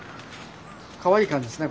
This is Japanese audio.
かわいい感じですね